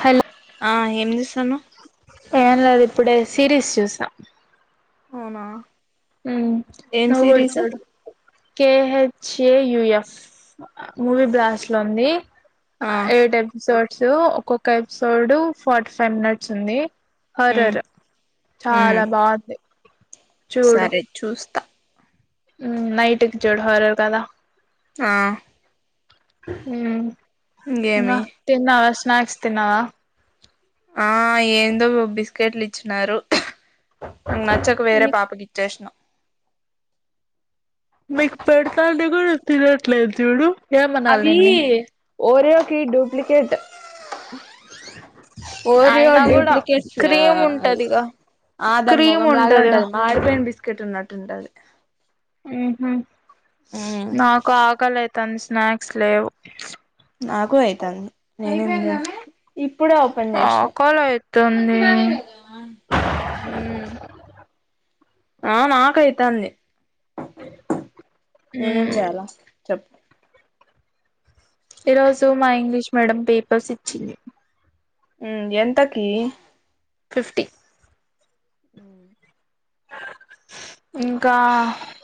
Hello ఆ ఏం చేస్తున్నావ్ ఏం లేదు ఇప్పుడే సిరీస్ చూసా అవునా ఉమ్ ఏం నువ్వు కూడా సిరీస్ చూడు కేహే జేయుఎఫ్ మూవీ బ్లాస్ట్ లో ఉంది ఆ ఏడు ఎపిసోడ్ ఒక్కొక్క ఎపిసోడ్ ఫార్టీ ఫైవ్ మినిట్స్ ఉంది ఉమ్ హార్రర్ ఉమ్ చాలా బాంది సరే చూస్తా నైట్కి చూడు హార్రర్ కదా ఆ ఉమ్ ఇంగ ఇంకేమి తిన్నావా వ స్నాక్స్ తిన్నావా ఆ ఏందో బిస్కెట్లు ఇచ్చినారు నాకు నచ్చక వేరే పాపకి ఇచ్చేసినా మీకు పెడతాండు గూడు తినట్లేదు జూడు ఏమనాలి అవి నిన్నీ ఓరియోకి డ్యూప్లికేట్ ఓరియో అయినా కూడా డ్యూప్లికేట్స్ క్రీమ్ ఉంటదిగా ఆదాని క్రీమ్ ముగం లాగే ఉంటదిగా ఉంటది మాడిపొయిన బిస్కెట్ ఉన్నట్టు ఉంటది. హ్మ్ హు నాకు ఆకలై తన్ స్నాక్స్ లేవ్ నాకు అయితాంది నేను ఇప్పుడే ఓపెన్ చేశ్నా ఆకలి అయితుంది ఆ నాకైతాంది నేనేం మ్మ్ చేయాల చెప్పు చెప్ ఈ రోజు మా ఇంగ్లీష్ మీడియం పేపర్స్ ఇచ్చింది. హ్మ్ ఎంతకి. ఫిఫ్టీ హుమ్ ఇంకా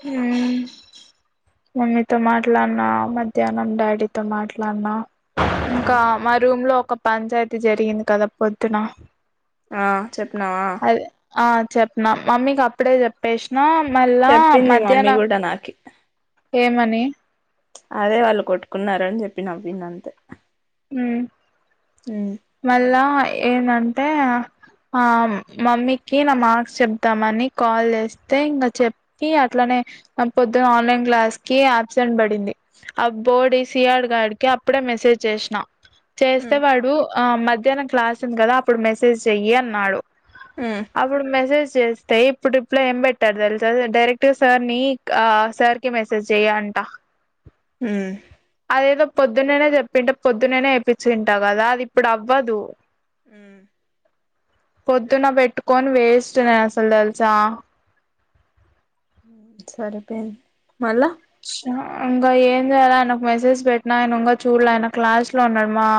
హుమ్ మమ్మీతో మాట్లాడ్నా మధ్యాహ్నం డాడీతో మాట్లాడ్నా ఇంకా మా రూమ్ లో ఒక పంచాయతీ జరిగింది కదా పొద్దున ఆ చెప్నవా చెప్నా మమ్మీకి అక్కడే చెప్పేష్ ఆ మళ్ళా చెప్పింది మమ్మీ మధ్యాహ్న కూడా నాకి ఏమని అదే వాళ్ళు కొట్టుకున్నారని చెప్పి నవ్వింది అంతే హమ్ ఉమ్ మళ్ళా ఏంటంటే ఆ మమ్మీకి నా మార్క్స్ చెప్దామని కాల్ చేస్తే ఇంకా చెప్పి అట్లానే పొద్దున ఆన్లైన్ క్లాస్ కి ఆబ్సెంట్ పడింది ఆ బోడి సిఆర్ గాడికి అప్పుడే మెసేజ్ చేష్న చేస్తే వాడు ఆ మ మధ్యాహ్న క్లాసుంది కదా అప్పుడు మెసేజ్ చెయ్యి అన్నాడు ఉమ్ అప్పుడు మెసేజ్ చేస్తే ఇప్పుడు రిప్లై ఏం పెట్టాడు తెలుసా, డైరెక్ట్ సార్ ని ఆ సార్ కి మెసేజ్ చెయ్ అంట మ్ ఎదో పొద్దునైనా చెప్ ప్పింట పొద్దునైనే వేపించింటావు కదా అది ఇప్పుడు అవ్వదు. మ్ పొద్దున్న పెట్టుకొని వేస్ట్ నేన్ అసల్ తెల్సా సరిపోయింది మళ్ళా అహ్ ఇంకా ఏం చేయాలా ఆయనకి మెసేజ్ పెట్టిన ఆయన ఇంకా చూడ్ల. ఆయన క్లాస్ లో ఉన్నాడు మా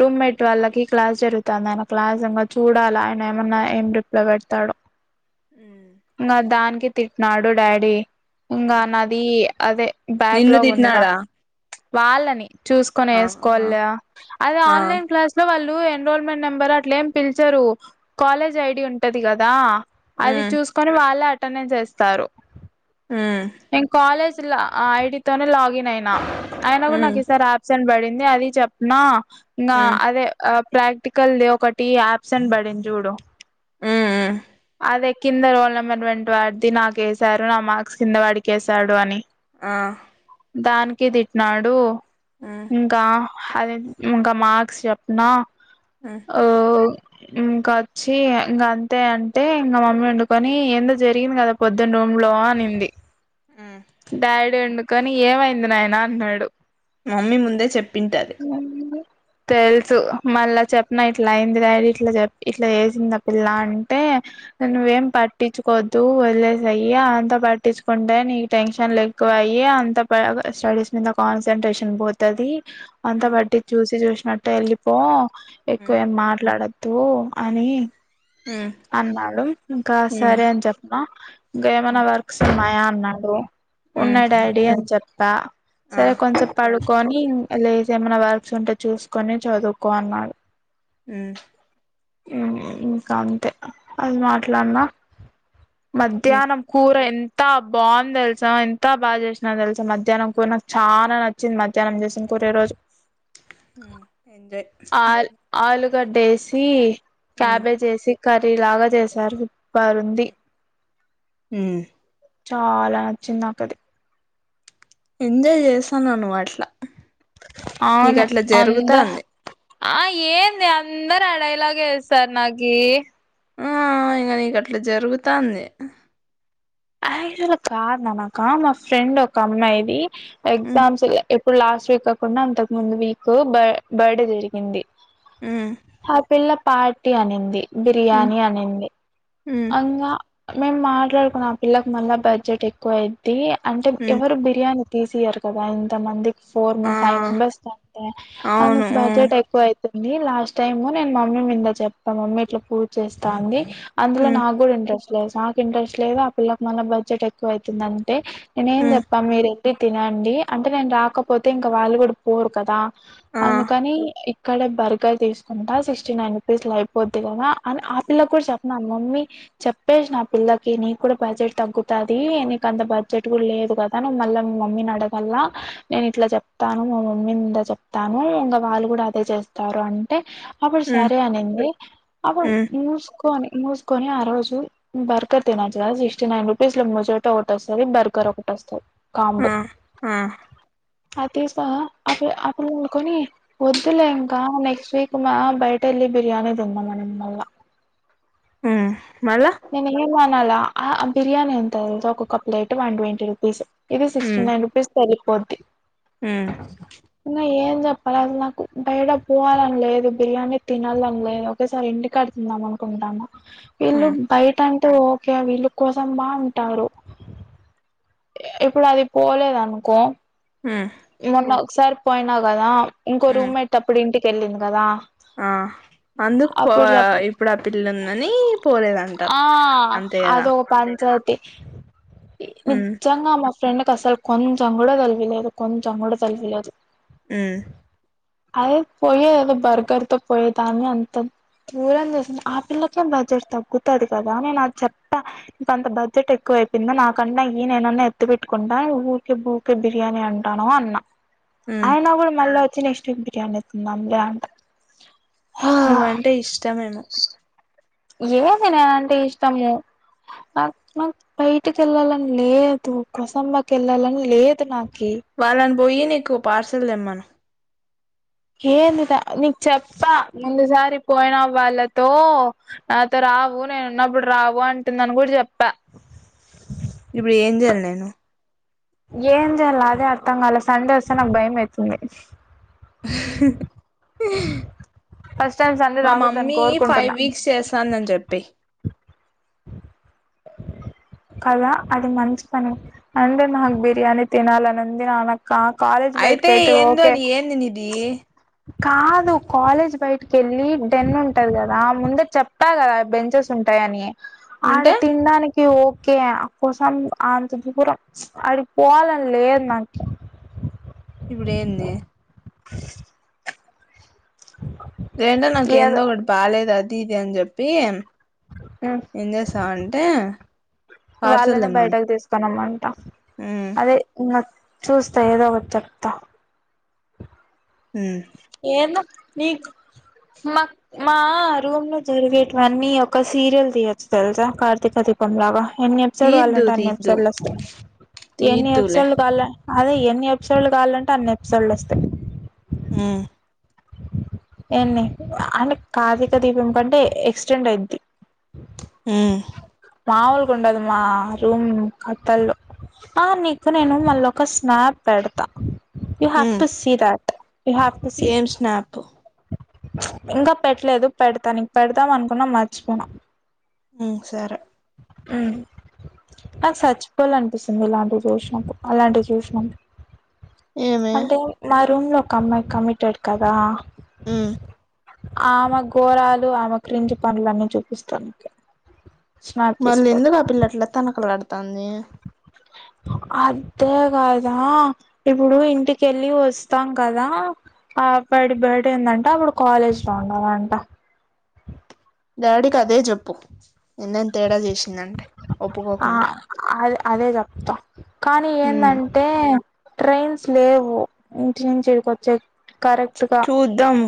రూమ్మేట్ వాళ్ళకి క్లాస్ జరుగుతాంది. ఆయన క్లాస్ ఉంది చూడాలా ఆయన ఏమన్న రిప్లై పెడతాడో. తే తిట్టినాడు డాడీ ఇంకా నాది అదే నిన్ను బ్యాక్లాగ్ ఉందిగా తిట్టినాడా చ్. వాళ్ళని చూసుకొని ఆ ఏస్కోవాలిగా అదే ఆ ఆన్లైన్ క్లాస్ లో వాళ్ళు. ఇప్పుడు ఎన్రోల్మెంట్ నెంబర్ అట్లా ఏం పిలిచరు కాలేజ్ ఐడి ఉంటది కదా. అవి ఉమ్ టే వాళ్ళే అటెండెన్స్ ఏస్తారు. ఉమ్ నేన్ కాలేజ్ తిల్ల ఆ ఐడితోనే లాగిన్ అయినా. అయిన కూడా ఉమ్ నాకు ఈ సారి ఆబ్సెంట్ పడింది. టే అది చెప్పనా నా ఉమ్ అదే ఆ ప్రాక్టికల్ ది ఒకటి ఆబ్సెంట్ పడింది చూడు. ఊ ఉహ్ అదే కింద రోల్ నెంబర్ ట్వంటీ వాడిది నాకేశారు. నా మార్క్స్ కిందవాడికి వేశాడు అని ఆ దానికి తిట్టినాడు. ఉమ్ ఇంకా అదే ఇంకా మార్క్స్ చెప్పిన ఉమ్ ఓ ఇంక వచ్చి ఇంక అంతే అంటే ఇంకా మమ్మీ అందుకొని ఏందో జరిగింది కదా పొద్దున రూమ్లో అనింది. ఉమ్ డాడీ ఉండి కానీ ఏమైంది నాయన అన్నాడు. మమ్మీ ముందే చెప్పింటది. తెలుసు మళ్ళ చెప్పిన ఇట్లా అయింది. డాడీ ఇట్లా చె ఇట్లా చేసింది. ఆ పిల్ల అంటే ఉమ్ నువ్వేం పట్టిచుకోవద్దు వదిలేసేయ్యి. అంతా పట్టించుకుంటే నీ టెన్షన్లు ఎక్కువ అయ్యి అంత స్టడీస్ మీద కాన్సన్ట్రేషన్ పోతది. అంతా ఉమ్ బట్టి చూసి చూసి నట్ట ఏళ్లిపో ఉమ్ ఎక్కువేం మాట్లాడద్ తో అని అన్నాడు ఇంకా ఉమ్ సరే అని చెప్పిన. ఇంకా ఏమైనా ఉమ్ వర్క్స్ ఉన్నాయా అన్నాడు. ఉమ్ ఉన్నాయి డాడీ అని చెప్ త ఆ సరే కొంసెపు పడుకొని లేచి ఏమైనా వర్క్స్ ఉంటే చూసుకొని చదువుకో అన్నాడు హ్మ్ ఇంకా అంతే అది మాట్లాడినా ఉమ్ మధ్యాహ్నం కూర ఎం త బాగుంది తెలుసా ఎంత బాచేసినా తెలుసా మధ్యాహ్నం కూర నాకు చాలా నచ్చింది మధ్యాహ్నం చేసిన కూర ఈరోజు హ్మ్ ఎంజాయ్ గడ్డెసీ మ్మ్ క్యాబే చేసి కర్రీ లాగా చేశారు సూపర్ రుంది హ్మ్మ్ చాలా నచ్చింది నాకది ఎంజాయ్ చేస్తున్నావ్ నువ్అట్లా అవును అంత జరుగుతాంది ఆ ఏంది అందరు అడయిలాగ ఏస్తారు నాకి ఆ ఇంగ నీకు అట్లా జరుగుతాంది క్చుల్ ఒక కార్ నానాక మా ఫ్రెండ్ ఒక అమ్మాయిది మ్మ్ ఎగ్జామ్స్ ఇప్పుడు లాస్ట్ వీక్ కాకుండా అంతకు ముందు వీక్ బ బర్డే జరిగింది మ్మ్ ఆ పిల్ల పార్టీ అనింది మ్మ్ బిర్యానీ అనింది మ్మ్ అకా మేము మాట కున్నా పిల్లకు మళ్ళా బడ్జెట్ ఎక్కువ అయిద్ది అంటే మ్మ్ ఎవరు బిర్యానీ తీసీయారు కదా ఇంత మందికి ఫోర్ ఆ ఫైవ్ మెంబర్స్ కంటే అందుకు అవును మ్మ్ బడ్జెట్ ఎక్కువ అవుతుంది లాస్ట్ టైము నేను మమ్మీ మింద చెప్తా మమ్మీ ఇట్లా పూజ చేస్తా అంది అందులో మ్మ్ నాకు కూడా ఇంట్రెస్ట్ నాకు ఇంట్రెస్ట్ లేదు పిల్లకి మన బడ్జెట్ ఎక్కువ అవుతుంది అంటే నేను ఏం మ్మ్ చెప్పా మీరు వెళ్ళి తినండి అంటే నేను రాకపోతే ఇంకా వాళ్ళు కూడా పోరు కదా ఆ అందుకని ఇక్కడ బర్గర్ తీసుకుంటా సిక్స్టీ నైన్ రూపీస్ లో అయిపోద్ది కదా అని ఆ పిల్లకి కూడా చెప్పిన మమ్మీ చెప్పేసినా పిల్లకి నీ కూడా బడ్జెట్ తగ్గుతది నీకు అంత బడ్జెట్ కూడా లేదు కదా ను మళ్ళా మమ్మీని అడగలా నేను ఇట్లా చెప్తాను మా మమ్మీంద చెప్తాను ఇంకా వాళ్ళు కూడా అదే చేస్తారు అంటే అప్పుడు మ్మ్ సరే అనింది అప్పుడు మ్మ్ మూసుకొని ముూసుకొని ఆ రోజు బర్గర్ తి సిక్స్టీ నైన్ రూపీస్ మజోట ఒకటి వస్తది బర్గర్ ఒకటి వస్తది కాంబు ఆ ఆ అ తీసినావ అప్పు అప్పుడు కొని వద్దులే ఇంక నెక్స్ట్ వీక్ అమ్మి బయట వెళ్లి బిర్యానీ తిందాం అనింది మళ్ళా. మ్మ్ మళ్ళ నేను ఏమనాలా. ఆ బిర్యానీ ఎంతో తెలుసా ఒకొక్క ప్లేట్ వన్ ట్వంటీ రూపీస్. ఇది సిక్స్టీ మ్మ్ నైన్ రూపీస్ ఎళ్లిపోద్ది. మ్మ్ ఇంగా ఏ చెప్పరాదు. నాకు బయటకు పోవాలని లేదు, బిర్యానీ తినాలని లేదు. ఒకేసారి ఇంటికాడ తిందాం అనుకుంటున్నాము. వీళ్ళు మ్మ్ బయట అంటే ఓకే వీళ్ళు కోసం పా అంటాడు. ఇ ఇప్పుడు అది పోలేదనుకో మ్మ్ మొన్నా ఒకసారి పోయినకదా. ఇంకో మ్మ్ రూమ్మేట్ అప్పుడు ఇంటికి కి వెళ్ళింది కదా. ఆ అందుకు పో అప్పుడు చెప్ ఇప్పుడు ఆ పిల్ల ఉందని పోలేదంటారు అంతే కదా. తే ఇ మ్మ్ హు మా ఫ్రెండ్ కి అసలు కొంచం కూడా తలకాయ లేదు. కొంచెం కూడా తలకాయ లేదు. ఊ అదే పోయేది ఎదో బర్గర్ తో పోయేదాన్ని అంత దూరం చేసింది. ఆ పిల్లకే బడ్జెట్ తగ్గుతది కదా నేను అది చెప్తా అంత బడ్జెట్ ఎక్కువ అయిపోయింది నాకన్నా నేను ఎన్నన్నా ఎత్తి పెట్టుకుంటా ఊకే ఊకే బిర్యానీ అంటానవు అన్నా. మ్మ్ ఆయన కూడా మల్ వచ్చి నెక్స్ట్ ఇంటికాడనే తిందాంలే అంట. నువ్వంటే ఇష్టమేమో. ఏది నేనంటే ఇష్టము. నాకు నాకు బయటికి వెళ్ళాలని లేదు కుసంబకి వెళ్ళాలని లేదు నా వల్లనూ పోయి నీకు పార్సల్ తెమ్మను. ఏందిట నీకు చెప్పా. ముందుసారి పోయిన వాళ్ళతో నాతో రావు నేనున్నప్పుడు రావు అంటుందని కూడా చెప్పా. ఇప్పుడు ఏం చేయాలి నేను. ఏం చేయాలి అదే అర్థం కాల సండే వస్తే నాకు భయం అయితుంది. ఫస్ట్ టైం సండే మా రాకూడదని మమ్మీ ఫైవ్ కోరుకుంటున్నా వీక్స్ చేస్తాంతది అని చెప్పేయ్. కదా అది మంచిపని అంది నాకు బిర్యాని తినాలని ఉంది రావాక్కా అయితే ఏందోని ఏంది నిది. కాదు కాలేజ్ బయటకి వెళ్ళి డెన్ ఉంటది కదా ముందే చెప్తా కదా బెంచెస్ ఉంటాయని. ఆడ ఉంటే తినడానికి క్యూ ఓకే అమె కోసం అంత దూరం ఆడికి పోవాలని లేదు నాకి. ఇప్పుడేంది [inaudible] ఏంటో నాకెందో ఏదో ఒకటి బాలేదది ఇది అని చెప్పి ఏం చేస్తావంటే వాళ్ళనే బయటకు తీసుకరమంటా ఉమ్ అదే చూస్తా ఏదో ఒకటి చెప్తా ఉమ్ ఏందో నీకు మా మా రూమ్ లో జరిగేటివన్ని ఒక సీరియల్ తీయొచ్చు తెలుసా కార్తీక దీపం లాగా ఎన్ని ఎపిసోడ్ తీద్దు కావాలంటే అన్ని తీద్దు ఎపిసోడ్లు వస్తాయి ఎన్ని తీద్దులే ఎపిసోడ్లు కావల అదే ఎన్ని ఎపిసోడ్లు కావాలంటే అన్ని ఎపిసోడ్లు వస్తాయి హు ఏన్ని అ కార్తీక దీపం కంటే ఎక్స్టెండ్ అయిద్ది హు మాములుగా ఉండదు మా రూమ్ కథలు ఆ నీకు నేను మల్ల ఒక స్నాప్ పెడతా you have um to see that ఏం స్నాపు ఇంకా పెట్టలేదు పెడతా నీక్ పెడదాం అనుకున్నా మర్చిపోయినా ఉ సరే ఉ నాకు సచ్చిపోవాల అనిపిస్తుంది ఇలాంటి చూసినప్పుడు అలాంటివి చూసిన ఏమి అంటే మా రూమ్ లో కమై కమిటెడ్ కదా ఉ ఆమె ఘోరాలు ఆమె క్రింజ్ పనులన్నీ చూపిస్తానికి మళ్ళి ఎందుకు ఆ పిల్ల అట్ల తనకులా తాంది అదేకాదా ఇప్పుడు ఇంటికి వెళ్ళి వస్తాం కదా ఆ బటి బదిందంట అప్పుడు కాలేజ్లో ఉంన్నాదంట డాడీ కదే చెప్పు నిన్నేం తేడా చేసి సిందంటే ఆ ఒప్పుకోకుంటే అదే అదే చెప్తా కానీ మ్ ఏందంటే ట్రైన్స్ లేవు ఇంటి నుంచి ఈడికి వచ్చే చూద్దాం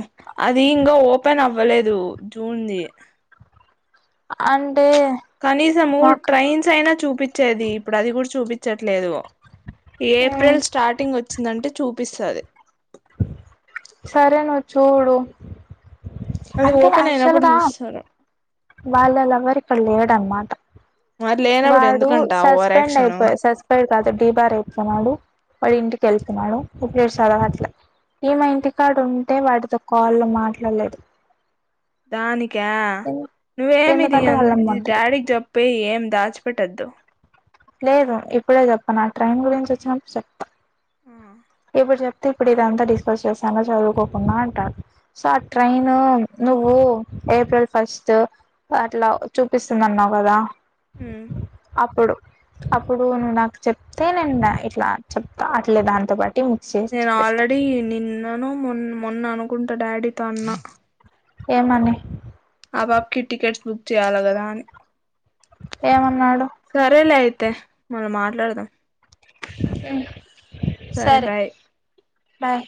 అది ఇంగ ఓపెన్ అవ వ్వలేదు జూన్ ది అన్ కనీసమూ ట్రైన్స్ అయినా చూ పిచ్చేది ఇప్పుడు అది కూడా చూపిచ్చట్లేదు ఏప్రిల్ స్టార్టింగ్ వచ్చిందంటే చూప్ ప్పిస్తది సరే నువ్వు చూడు అది అంటే ఓపెన్ యాక్చువల్ అయినప్పుడు గా జూస్సారు వాళ్ళ లవర్ ఇక్కడ లేడన్నమాట మరి లేనప్పుడు వాడు ఎందుకంట ఓవర్ సస్పెండ్ యాక్షను అయిపోయె సస్పెండ్ కాదు. డీబార్ అయిపోయినాడు వాడు ఇంటికి తెల్తున్నాడు ప్పుట్లేడు సదవట్లా ఈ మా ఇంటికాడుంటే వాడితో కాల్లో మాట్లాడలేదు. దానికా నువ్వేమిది ఎందుకంటే వాళ్ళమ్మ ఉంటది డాడీకి చెప్పై ఏమి దాచు పెటద్దు లేదు ఇప్పుడే చెప్పన్ నా ట్రైన్ గురించి వచ్చినప్పుడు చెప్తా ఇప్పుడు చెప్తే ఇప్పుడు ఇదంతా డిస్కస్ చేశావు చదువుకోకుండా అంటాడు సో ఆ ట్రైన్ నువ్వు ఏప్రిల్ ఫస్ట్ అట్ల చూపిస్తుంది అన్నావు కదా ఉ అప్పుడు అప్పుడు నువ్వు నాకు చెప్తే నేను ఇట్ల చెప్తా అట్లే దాంతో పాటు నేను ఆల్రేడి నిన్నను మన్ మొన్న అనుకుంట డాడీతో అన్న ఏ మ అబ్రాప్కి టికెట్స్ బుక్ చేయాలి కదా అని ఏమన్నాడు అంతే మనం మాట్లాడదాం ఆ సరే బాయ్ బయ్